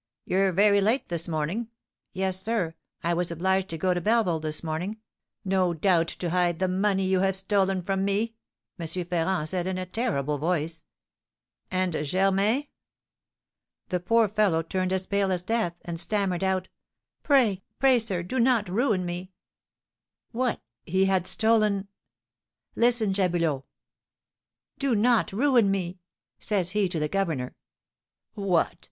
'You're very late this morning.' 'Yes, sir; I was obliged to go to Belleville this morning.' 'No doubt to hide the money you have stolen from me!' M. Ferrand said, in a terrible voice." "And Germain?" "The poor fellow turned as pale as death, and stammered out, 'Pray pray, sir, do not ruin me '" "What! he had stolen " "Listen, Jabulot: 'Do not ruin me,' says he to the governor. 'What!